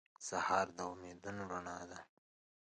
سهار د امیدونو رڼا ده.